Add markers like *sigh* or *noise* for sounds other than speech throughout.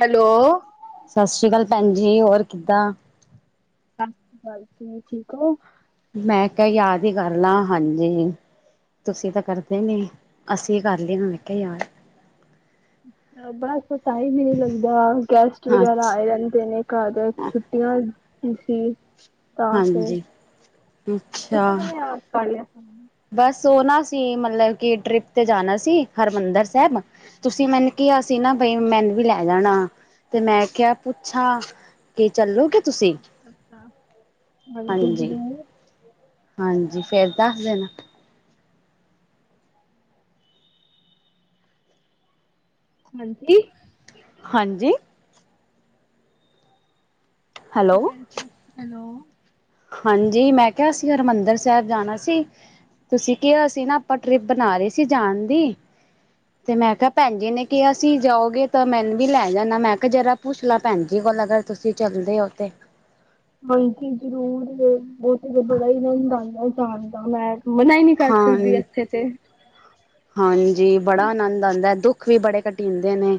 Hello. ਭੈਣਜੀ ਹੋਰ ਕਿੱਦਾਂ? ਸਤਿ ਸ਼੍ਰੀ ਅਕਾਲ ਜੀ ਠੀਕ ਹੋ? ਮੈਂ ਕਿਹਾ ਯਾਦ ਹੀ ਕਰ ਲਾ ਹਾਂਜੀ। ਤੁਸੀਂ ਤਾਂ ਕਰਦੇ ਨੀ ਅਸੀਂ ਕਰ ਲਿਏ ਹੁਣ ਕੇ ਯਾਦ। ਬਸ ਟਾਈਮ ਈ ਨੀ ਲੱਗਦਾ ਗੈਸਟ ਵਗੈਰਾ ਆਏ ਅੱਛਾ ਰਹੰਦੇ ਨੇ ਘਾਰ ਛੁੱਟੀਆਂ। *unintelligible* ਤਾਂ ਫਿਰ, ਹਾਂਜੀ ਅੱਛਾ। ਤੁਸੀਂ ਕਿਵੇਂ ਯਾਦ ਕਾਰ ਲਯਾ? ਬਸ ਉਹ ਨਾ ਅਸੀ ਮਤਲਬ ਕਿ ਟ੍ਰਿਪ ਤੇ ਜਾਣਾ ਸੀ ਹਰਿਮੰਦਰ ਸਾਹਿਬ ਤੁਸੀਂ ਮੈਨੂੰ ਕੀ ਕਹਯਾ ਸੀ ਨਾ ਬਈ ਮੈਨੂੰ ਵੀ ਲੈ ਜਾਣਾ ਤੇ ਮੈਂ ਕਿਹਾ ਪੁੱਛਾਂ ਕਿ ਚੱਲੋਗੇ? ਤੁਸੀਂ ਅੱਛਾ ਹਾਂਜੀ ਜਰੂਰ। ਹਾਂਜੀ ਫੇਰ ਦੱਸ ਦਿਨ। ਹਾਂਜੀ। ਹਾਂਜੀ। ਹੈਲੋ। *inaudible* ਹਾਂਜੀ ਮੈਂ ਕਿਹਾ ਅਸੀ ਹਰਿਮੰਦਰ ਸਾਹਿਬ ਜਾਣਾ ਸੀ, ਤੁਸੀਂ ਕਿਹਾ ਅਸੀਂ ਨਾ ਆਪਾਂ ਟ੍ਰਿਪ ਬਣਾ ਰਹੇ ਸੀ ਜਾਣ ਦੀ ਤੇ ਮੈਂ ਕਿਹਾ ਭੈਣ ਜੀ ਨੇ ਕਿਹਾ ਸੀਂ, ਜਾਓਗੇ ਤਾਂ ਮੈਨੂੰ ਵੀ ਲੈ ਜਾਣਾ, ਮੈਂ ਕਿਹਾ ਜਰਾ ਪੁੱਛ ਲ ਭੈਣ ਜੀ ਹੋਰ ਅਗਰ ਤੁਸੀਂ ਚੱਲਦੇ ਹੋ ਤੇ ਹਾਂਜੀ ਜਰੂਰ, ਔ ਤੇ ਬੜਾ ਇਹਨਾਂ ਨੂੰ ਜਾਣਦਾ, ਮੈਂ ਮਨਾ ਹੀ ਨੀ ਕਰ ਹਾਂ ਸਕਦੀ, ਇੱਥੇ ਤੇ ਹਾਂਜੀ ਬੜਾ ਆਨੰਦ ਆਉਂਦਾ, ਦੁੱਖ ਵੀ ਬੜੇ ਘਟੀਦੇ ਨੇ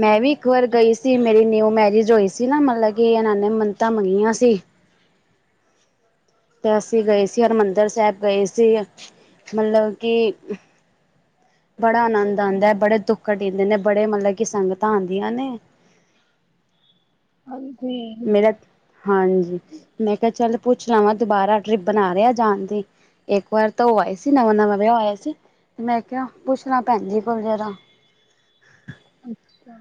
ਮੈਂ ਵੀ ਇੱਕ ਵਾਰ ਗਈ ਸੀ, ਮੇਰੀ ਨਿਊ ਮੈਰਿਜ ਹੋਈ ਸੀ ਨਾ, ਮਤਲਬ ਕਿ ਇਹਨਾਂ ਨੇ ਮੰਨਤ ਮੰਗੀਆਂ ਸੀ ਤੇ ਅਸੀਂ ਗਏ ਸੀ ਹਰਿਮੰਦਰ ਸਾਹਿਬ ਗਏ ਸੀ, ਮਤਲਬ ਕਿ ਬੜਾ ਆਨੰਦ ਆਉਦਾ ਹੈ, ਬੜੇ ਦੁੱਖ ਟੀਂਦੇ ਨੇ ਬੜੇ ਮਤਲਬ ਕਿ ਸੰਗਤਾਂ ਆਉਂਆਂ ਨੇ। *unintelligible* ਹਾਂਜੀ ਮੇਰਠ, ਹਾਂਜੀ ਮੈਂ ਕੇਹਾ ਜ਼ਰਾ ਪੁੱਛ ਲਵਾਂ। ਦੁਬਾਰਾ ਟ੍ਰਿਪ ਬਣਾ ਰਿਹਾ ਜਾਣ ਦੀ, ਇੱਕ ਵਾਰ ਤਾਂ ਉਹ ਆਏ ਸੀ ਨਵਾਂ ਨਵਾਂ ਵਿਆਹ ਹੋਇਆ ਸੀ ਤੇ ਮੈਂ ਕਿਹਾ ਪੁੱਛਲਾ, ਭੈਣ ਜੀ ਕੋਲ ਜਰਾ ਅੱਛਾ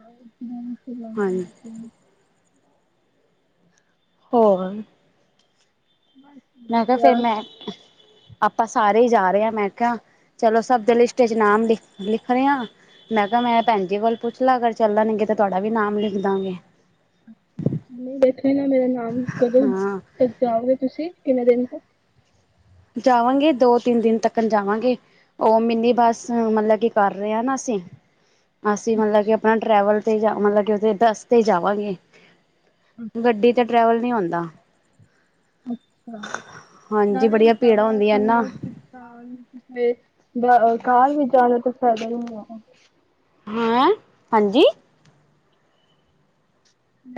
ਹਾਂਜੀ ਹੋਰ ਮੈਂ ਕਿਹਾ ਫੇਰ ਮੈਂ, ਨਹੀਂ ਆਪਾਂ ਸਾਰੇ ਹੀ ਜਾ ਰਹੇ ਹਾਂ ਮੈਂ ਕਿਹਾ ਚਲੋ ਸਭ ਦੇ ਲਿਸਟ ਚ ਨਾਮ, ਲਿਖ ਲਿਖ ਰਹੇ ਆ ਮੈਂ ਕਿਹਾ ਮੈਂ ਭੈਣੀ ਵਲ ਪੁੱਛ ਲਾ, ਅਗਰ ਚੱਲਣਗੇ ਤਾਂ ਤੁਹਾਡਾ ਵੀ ਨਾਮ ਲਿਖ ਦਾਂਗੇ ਨਹੀਂ ਦੇਖ ਲ ਨਾ ਮੇਰਾ ਨਾਮ ਕਦੋਂ ਹਾਂ ਤੱਕ ਜਾਓਗੇ ਤੁਸੀਂ, ਕਿੰਨੇ ਦਿਨ ਤੱਕ ਜਾਵਾਂਗੇ ਦੋ ਤਿੰਨ ਦਿਨ ਤੱਕ ਜਾਵਾਂਗੇ, ਔ ਮਿੰਨੀ ਬੱਸ ਮਤਲਬ ਕੀ ਕਰ ਰਹੇ ਨਾ ਅਸੀਂ। ਅਸੀਂ ਮਤਲਬ ਕਿ ਆਪਣਾ ਟਰੈਵਲ ਤੇ ਜਾਵਾਂਗੇ, ਮਤਲਬ ਕਿ ਉਦੇ ਬੱਸ ਤੇ ਜਾਵਾਂਗੇ। ਗੱਡੀ ਤੇ ਟਰੈਵਲ ਨਹੀਂ ਹੋਂਦਾ। *unintelligible* ਹਾਂਜੀ ਕਾਰ ਬੜੀਆਂ ਭੀੜਾਂ ਹੁੰਦੀਆਂ ਵੀਚ ਨਾ ਜਾਣਾ, ਤੇ ਪੈਦਲ ਨਹੀ ਜਾਣਾ। ਹੈਂ, ਹਾਂਜੀ।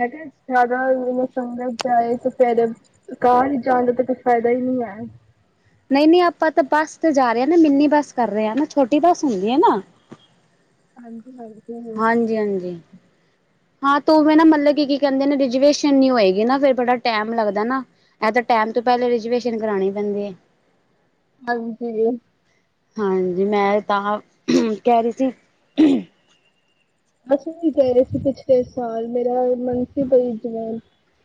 ਮੈਂ ਕਿਹਾ ਜ਼ਿਆਦਾ ਸੰਗਤ ਜਾਏ ਤੇ ਪੈਦਲ, ਕਾਰ ਚ ਜਾਣ ਦਾ ਤੇ ਕੋਈ ਫਾਇਦਾ ਨੀ। *unintelligible* ਨਹੀਂ-ਨਹੀਂ, ਆਪਾਂ ਤਾਂ ਬੱਸ ਤੇ ਜਾ ਰਹੇ ਹਾਂ ਨਾ, ਮਿੰਨੀ ਬੱਸ ਕਰ ਰਹੇ ਹ ਨਾ, ਛੋਟੀ ਬੱਸ ਹੁੰਦੀ ਹੈ ਨਾ? ਹਾਂਜੀ-ਹਾਂਜੀ। ਹਾਂਜੀ-ਹਾਂਜੀ। ਹਾਂ ਤੋ ਮੈ ਨਾ ਮਤਲਬ ਕੀ, ਕੀ ਕਹਿੰਦੇ ਨੇ ਰਿਜਵੇਸ਼ਨ ਨੀਂ ਹੋਏਗੀ ਨਾ, ਫੇਰ ਬੜਾ ਟੈਮ ਲੱਗਦਾ ਨਾ, ਇਹ ਤਾਂ ਟੈਮ ਟੈਮ ਤੋਂ ਪਹਿਲੇ ਰਿਜ਼ਰਵੇਸ਼ਨ ਕਰਵਾਉਣੀ ਪੈਂਦੀ ਏ। ਹਾਂਜੀ ਹਾਂਜੀ ਮੈਂ ਤਾਂ ਕਹਿ ਰਹੀ ਸੀ ਅਸੀਂ ਵੀ ਕਹਿ ਰਹੇ ਸੀ ਪਿਛਲੇ ਸਾਲ, ਮੇਰਾ ਮਨ ਸੀ ਭਈ ਜਿਵੇਂ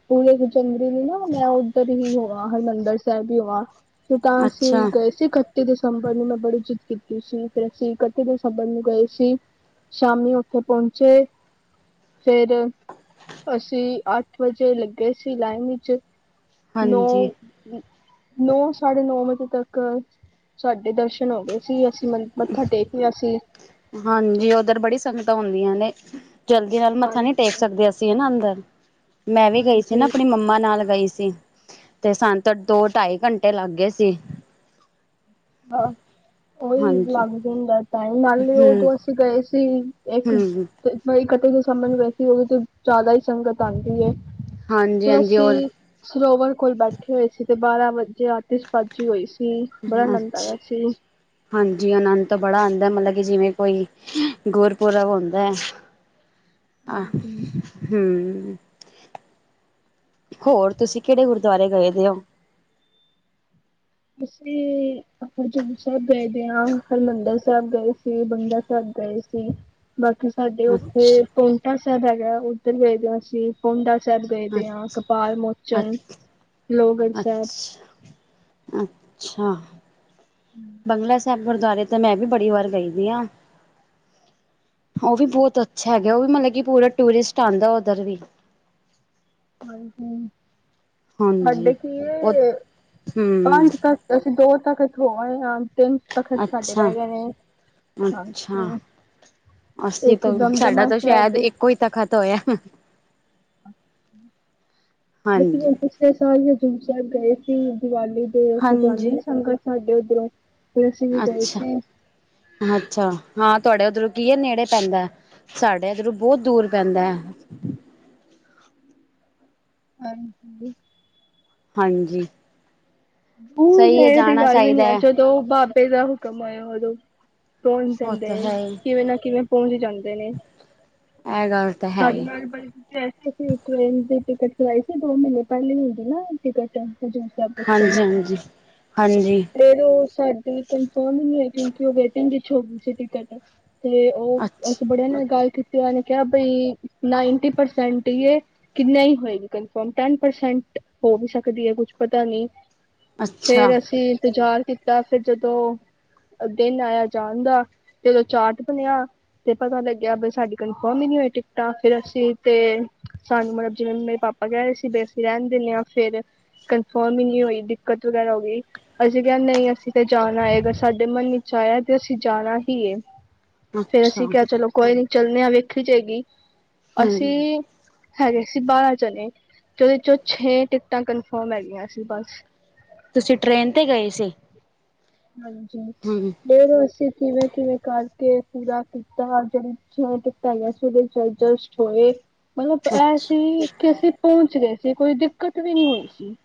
ਪੂਰੇ ਚੰਗੀ ਨੇ ਨਾ ਮੈਂ ਉੱਧਰ ਹੀ ਹੋਵਾਂ, ਹਰਿਮੰਦਰ ਸਾਹਿਬ ਵੀ ਹੋਵਾਂ। ਫੇਰ ਤਾਂ ਅਸੀਂ ਅੱਛਾ ਗਏ ਸੀ ਖੱਟ ਇਕੱਤੀ ਦਸੰਬਰ ਨੂੰ ਮੈਂ ਬੜੀ ਜਿੱਤ ਕੀਤੀ ਸੀ, ਫਿਰ ਅਸੀਂ ਇਕੱਤੀ ਦਸੰਬਰ ਨੂੰ ਗਏ ਸੀ, ਸ਼ਾਮੀ ਓ ਉੱਥੇ ਪਹੁੰਚੇ। ਫਿਰ ਅਸੀਂ ਅੱਠ ਵਜੇ ਲੱਗੇ ਸੀ ਲਾਈਨ ਵਿੱਚ। ਹਾਂਜੀ ਨੌ ਨ ਨੌ ਸਾਢੇ ਨੌ ਵਜੇ ਤੱਕ ਸਾਡੇ ਦਰਸ਼ਨ ਹੋ ਗਏ ਸੀ। ਅਸੀਂ ਮ ਮੱਥਾ ਟੇਕ ਲਿਆ ਸੀ ਹਾਂਜੀ ਉਧਰ ਬੜੀ ਸੰਗਤ ਹੁੰਦੀਆਂ ਨੇ, ਜਲਦੀ ਨਾਲ ਮੱਥਾ ਨਹੀਂ ਟੇਕ ਹਾਂਜੀ ਸਕਦੇ ਅਸੀਂ ਹੈਨਾ ਅੰਦਰ। ਮੈਂ ਵੀ ਗਈ ਸੀ ਨਾ, ਹਾਂਜੀ ਆਪਣੀ ਮੰਮਾ ਨਾਲ ਗਈ ਸੀ। ਤੇ ਸਾਨੂੰ ਤੇ ਦੋ ਢਾਈ ਘੰਟੇ ਲੱਗ ਗਏ ਸੀ। ਹਾਂ, ਉਹੀ ਹਾਂਜੀ ਲੱਗ ਜਾਂਦਾ ਟਾਈਮ, ਨਾਲੇ ਹਮ ਉਦੋਂ ਅਸੀਂ ਗਏ ਸੀ ਇੱਕ, ਹਮ ਇਕੱਤੀ ਦਸੰਬਰ ਨੂੰ ਵੈਸੀ ਓਦੋਂ ਤੇ ਜ਼ਿਆਦਾ ਹੀ ਸੰਗਤ ਆਉਂਦੀ ਏ। ਹਾਂਜੀ ਫਿਰ ਹਾਂਜੀ ਅਸੀਂ ਹੋਰ ਸਰੋਵਰ ਕੋਲ ਬੈਠੇ ਹੋਏ ਸੀ। ਤੇ ਬਾਰਾਂ ਵਜੇ ਆਤੀਸ਼ਬਾਜੀ ਹੋਈ ਸੀ, ਬੜਾ ਅਨੰਦ ਹਾਂਜੀ, ਆਨੰਦ ਤੋਂ ਬੜਾ ਆਉਂਦਾ। ਮਤਲਬ ਕਿ ਜਿਵੇਂ ਕੋਈ ਗੁਰਪੂਰਬ ਹੁੰਦੈ ਆ ਹਾਂਜੀ ਹੂੰ। ਹੋਰ ਤੁਸੀਂ ਕਿਹੜੇ ਗੁਰਦੁਆਰੇ ਗਏ ਦੇ ਓ? ਅਸੀਂ ਹਜੂਰ ਸਾਹਿਬ ਗਏ ਦੇ ਹਾਂ ਹਰਿਮੰਦਰ ਸਾਹਿਬ ਗਏ ਸੀ ਬੰਗਲਾ ਸਾਹਿਬ ਗਏ ਸੀ। ਬਾਕੀ ਸਾਡੇ ਉੱਥੇ ਅੱਛਾ ਪਾਉਂਟਾ ਸਾਹਿਬ ਹੈਗਾ ਉੱਧਰ ਗਏ ਦੇ ਹਾਂ ਅਸੀਂ ਪਾਉਂਟਾ ਸਾਹਿਬ ਗਏ ਦੇ ਹਾਂ ਕਪਾਲ ਅੱਛਾ ਮੋਚਨ, ਅੱਛਾ ਲੋਹਗੜ੍ਹ ਸਾਹਿਬ ਅੱਛਾ ਅੱਛਾ ਬੰਗਲਾ ਸਾਹਿਬ ਗੁਰਦੁਆਰੇ ਤੇ ਮੈਂ ਵੀ ਬੜੀ ਵਾਰ ਗਈ ਦੀ ਆਂ। ਉਹ ਵੀ ਬਹੁਤ ਅੱਛਾ ਹੈਗਾ ਉਹ ਵੀ ਮਤਲਬ ਕਿ ਪੂਰਾ ਟੂਰਿਸਟ ਆਉਂਦਾ ਓਧਰ ਵੀ ਹਾਂਜੀ ਸਾਡੇ ਹਾਂਜੀ। ਕੀ ਉਹ ਏ ਹਮ ਪੰਜ ਤੱਖਤ ਅਸੀਂ ਦੋ ਤੱਖਤ ਹੋ ਆਏ ਹਾਂ। ਤਿੰਨ ਤਖ਼ਤ ਸਾਡੇ ਅੱਛਾ ਰਹਿ ਗਏ ਨੇ ਅੱਛਾ ਹਾਂਜੀ। ਅਸੀਂ ਇੱਕ ਤਾਂ ਸਾਡਾ ਦਮਦਮਾ ਤਾਂ ਸ਼ਾਇਦ ਸਾਹਿਬ ਇੱਕੋ ਹੀ ਤਖ਼ਤ ਹੋਇਆ। ਅਸੀਂ ਹਾਂਜੀ ਹੁਣ ਪਿਛਲੇ ਸਾਲ ਹਜੂਰ ਸਾਹਿਬ ਗਏ ਸੀ ਦੀਵਾਲੀ ਤੇ, ਉੱਥੇ ਜਾਂਦੀ ਸੰਗਤ ਸਾਡੇ ਉੱਧਰੋਂ ਫਿਰ ਅਸੀਂ ਵੀ ਗਏ ਸੀ ਅੱਛਾ-ਅੱਛਾ ਹਾਂ। ਤੁਹਾਡੇ ਉੱਧਰੋਂ ਕੀ ਏ, ਨੇੜੇ ਪੈਂਦਾ ਸਾਡੇ ਇੱਧਰੋਂ ਬਹੁਤ ਦੂਰ ਪੈਂਦਾ। ਹਾਂਜੀ ਹਾਂਜੀ ਹੂੰ ਸਹੀ ਹੈ ਨੇੜੇ ਤੇ ਜਾਣਾ ਗੱਲ ਵੀ ਨੀ ਚਾਹੀਦਾ ਹੈ। ਜਦੋਂ ਬਾਬੇ ਦਾ ਹੁਕਮ ਹੋਇਆ ਉਹਦੋਂ ਸੋਣ ਉਹ ਦਿੰਦੇ ਤਾਂ ਹੈ ਹੀ, ਕਿਵੇਂ ਨਾ ਕਿਵੇਂ ਪਹੁੰਚ ਹੰ ਜਾਂਦੇ ਨੇ। ਇਹ ਗੱਲ ਤਾਂ ਹੈ ਸਾਡੇ ਹੀ ਨਾਲ ਬੜੇ *unintelligible* ਟਿਕਟ ਕਰਵਾਈ ਸੀ ਦੋ ਮਹੀਨੇ ਪਹਿਲੇ ਹੁੰਦੀ ਨਾ ਟਿਕਟ ਹਜੂਰ ਸਾਹਿਬ ਵਾਸਤੇ ਹਾਂਜੀ ਹਾਂਜੀ ਹਾਂਜੀ ਫਿਰ ਉਹ ਸਾਡੀ ਕਨਫਰਮ ਨਹੀਂ ਹੋਈ ਕਿਉਂਕਿ ਉਹੇ ਹੋ ਗਈ ਸੀ ਟਿਕਟ ਤੇ ਉਹ ਅੱਛਾ ਅਸੀਂ ਬੜਿਆਂ ਨਾਲ ਗੱਲ ਕੀਤੀ ਨੇ ਕਿਹਾ ਬਈ ਨਾਈਨਟੀ ਪਰਸੈਂਟ ਹੀਏ ਕਿ ਨਹੀਂ ਹੋਏਗੀ ਕਨਫਰਮ ਟੇਂਨ ਪਰਸੈਂਟ ਹੋ ਵੀ ਸਕਦੀ ਹੈ ਕੁੱਛ ਪਤਾ ਨੀ ਅੱਛਾ ਫੇਰ ਅਸੀਂ ਇੰਤਜ਼ਾਰ ਕੀਤਾ ਫਿਰ ਜਦੋਂ ਦਿਨ ਆਇਆ ਜਾਣ ਦਾ ਜਦੋਂ ਚਾਟ ਬਣਿਆ। ਤੇ ਪਤਾ ਲੱਗਿਆ ਬ ਸਾਡੀ ਕਨਫਰਮ ਹੀ ਨਹੀਂ ਹੋਈ ਟਿਕਟਾਂ ਫੇਰ ਅਸੀਂ ਤੇ ਸਾਨੂੰ ਮਤਲਬ ਜਿਵੇਂ ਮੇਰੇ ਪਾ ਆਪਾਂ ਕਹਿਦੇ ਸੀ ਬੇਸੀ ਰਹਿੰਣ ਦਿੰਦੇ ਹਾਂ ਫੇਰ ਕਨਫਰਮ ਹੀ ਨਹੀਂ ਹੋਈ। ਦਿੱਕਤ ਵਗੈਰਾ ਹੋ ਗਈ ਅਸੀਂ ਕਿਹਾ ਨਹੀਂ ਅਸੀਂ ਤਾਂ ਜਾਣਾ ਹੈਏ ਅਗਰ ਸਾਡੇ ਮਨ ਵਿੱਚ ਆਇਆ ਤੇ ਅਸੀਂ ਜਾਣਾ। ਹੀ ਏ। ਫੇਰ ਅੱਛਾ ਅਸੀਂ ਕਿਹਾ ਚਲੋ ਕੋਈ ਨੀ ਚੱਲੇ ਹਾਂ ਵੇਖੀ ਜਾਏਗੀ ਹੂੰ ਅਸੀਂ ਹੈਗੇ ਸੀ ਬਾਰਾਂ ਜਾਣੇ ਤੇ ਉਹਦੇ 'ਚੋਂ ਛੇ ਟਿਕਟਾਂ ਕਨਫਰਮ ਹੈਗੀਆਂ ਸੀ ਬਸ ਤੁਸੀਂ ਟ੍ਰੇਨ ਤੇ ਗਏ ਸੀ। ਹਾਂਜੀ ਹੂੰ ਫੇਰ ਅਸੀ ਕਿਵੇਂ -ਕਿਵੇਂ ਕਰਕੇ ਪੂਰਾ ਕੀਤਾ ਜਿਵੇਂ ਟਿਕਟ ਹੋਈਆ ਸੀ ਅਰਜਸਟ ਹੋਏ। ਮਤਲਬ ਇਹ ਅੱਛਾ ਸੀ ਕਿ ਅਸੀਂ ਪਹੁੰਚ ਗਏ ਸੀ ਕੋਈ ਦਿੱਕਤ ਵੀ ਨਹੀਂ ਹੋਣੀ ਸੀ।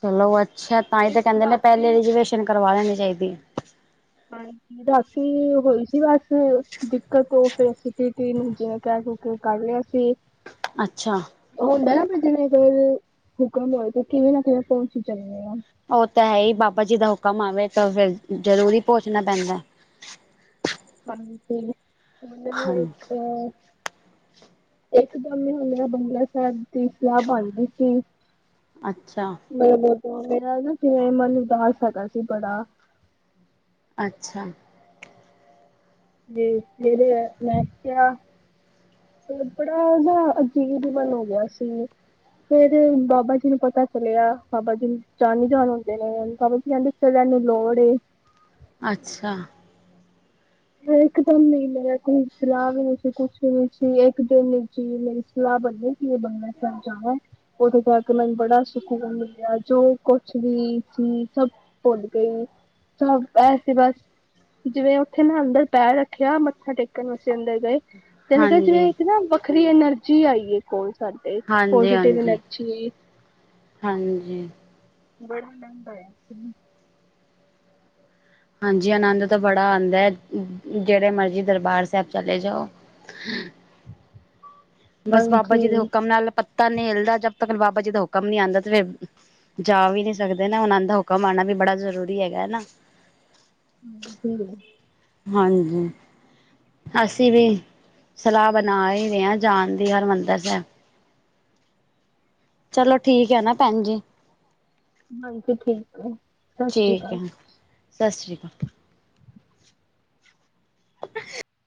ਚਲੋ ਅੱਛਾ ਤਾਂ ਹੀ ਤਾਂ ਸਿਰਫ ਕਹਿੰਦੇ ਨੇ ਪਹਿਲੇ ਰਾਤੀ ਰਿਜਵੇਸ਼ਨ ਕਰਵਾ ਲੈਣੀ ਚਾਹੀਦੀ ਹੈ। ਹਾਂਜੀ ਬਾਕੀ ਹੋਈ ਸੀ ਬਸ ਦਿੱਕਤ ਉਹ ਸੀ ਨੂੰ ਜਿਵੇਂ ਕਹਿ ਕਿ ਕਰ ਲਿਆ ਸੀ ਅੱਛਾ ਉਹ ਹੁੰਦਾ ਨਾ ਜਿਵੇਂ ਅਰ ਹੁਕਮ ਹੋਏ ਤਾਂ ਕਿਵੇਂ ਨਾ ਕਿਵੇ ਪਹੁੰਚ ਹੀ ਜਾਂਨੇ ਅ। ਉਹ ਤਾਂ ਹੈ ਹੀ ਬਾਬਾ ਜੀ ਦਾ ਹੁਕਮ ਆਵੇ ਤਾਂ ਫਿਰ ਜਰੂੂਰ ਹੀ ਪੋਚਣਾ ਪੈਂਦਾ। *inaudible* ਮਨ ਮਲ ਇੱਕ ਹਾਂਜੀ *unintelligible* ਇੱਕ ਦਮ ਹੱਲੇ ਬੰਗਲਾ ਸਾਹਿਬ ਦੀ ਸਲਾਹ ਬਣ ਗਈ ਸੀ। ਅੱਛਾ ਮੈਂ ਮੇਰਾ ਨਾ ਕਿਵੇਂ ਮਨ ਉਦਾਸ ਸਕਦਾ ਸੀ ਬੜਾ ਅੱਛਾ ਜ ਫ਼ਿਰ ਮੈਂ ਕਿਹਾ *inaudible* ਬੜਾ ਨਾ ਅਜੀਬ ਮਨ ਹੋ ਗਿਆ ਸੀ। ਫ਼ਿਰ ਬਾਬਾ ਜੀ ਨੂੰ ਪਤਾ ਚੱਲਿਆ ਬਾਬਾ ਜੀ ਜਾਨੀ ਜਾਨ ਹੁੰਦੇ ਨੇ ਬਾਬਾ ਜੀ ਕਹਿੰਦੇ ਚ ਮੈਨੂੰ ਲੋੜ ਏ ਅੱਛਾ। ਫਿਰ ਇੱਕ ਦਮ ਨ ਮੇਰਾ ਕੋਈ ਸਲਾਹ ਵੀ ਨਈ ਸੀ ਕੁਛ ਵੀ ਨਹੀਂ ਸੀ ਫਿਰ ਇੱਕ ਦਿਨ ਚ ਮੇਰੀ ਸਲਾਹ ਪਤਾ ਕਿ ਇਹ ਬੰਗਲਾ ਸਾਹਿਬ ਜਾਵਾ ਉਦੇ ਕਰ ਕੇ ਮੈਨੂੰ ਬੜਾ ਸਕੂਨ ਮਿਲਿਆ ਜੋ ਕੁਛ ਵੀ ਸਭ ਭੁੱਲ ਗਏ ਸਭ ਐਸੇ ਬਸ ਜਿਵੇਂ। ੱਥੇ ਨਾ ਅੰਦਰ ਪੈਰ ਰੱਖਿਆ ਮੱਥਾ ਟੇਕਣ ਅੰ ਅੰਦਰ ਗਏ ਜਾਣੇ ਕੇ ਜਿਵੇਂ ਹਾਂਜੀ ਇੱਕ ਨਾ ਵੱਖਰੀ ਐਨਰਜ ਜੀ ਆਈਏ ਕੋਲ ਸਾਡੇ ਹਾਂਜੀ ਪੋਜ਼ੀਟਿਵ ਹਾਂਜੀ ਐਨਰਜੀ। ਹਾਂਜੀ ੜਾਦਾ *inaudible* ਹਾਂਜੀ ਆਨੰਦ ਤਾਂ ਬੜਾ ਆਦਾ ਹੈ ਜਿਹੜੇ ਮਰਜੀ ਦਰਬਾਰ ਸਾਹਿਬ ਚਲੇ ਜਾਓ। ਹ *inaudible* ਬਸ ਬਾਬਾ ਜੀ ਦੇ ਹਾਂਜੀ ਹੁਕਮ ਨਾਲ ਪੱਤਾ ਨਈ ਹਿਲਦਾ ਜਦ ਤੱਕ ਬਾਬਾ ਜੀ ਦਾ ਹੁਕਮ ਨੀ ਆਦਾ ਤੇ ਫਿਰ ਜਾ ਵੀ ਨਹੀਂ ਸਕਦੇ ਨਾ ਉਹਨਾਂ ਦਾ ਹੁਕਮ ਆਣਾ ਵੀ ਬੜਾ ਜ਼ਰੂਰੀ ਹੈਗਾ ਨਾ ਹਾਂਜੀ ਹਾਂਜੀ ਅਸੀਂ ਵੀ ਸਲਾਹ ਬਨਾ ਈ ਰਹੇ ਆ ਜਾਨ ਦੀ ਹਰਿਮੰਦਿਰ ਸਾਹਿਬ ਚਲੋ ਠੀਕ ਹੈ ਨਾ ਭੈਨ ਜੀ। ਹਾਂਜੀ ਠੀਕ ਏ ਸਤਿ ਸ੍ਰੀ ਠੀਕ ਕਾਲ ਹੈ ਸਤਿ ਸ਼੍ਰੀ ਕਾਲ *inaudible* *inaudible*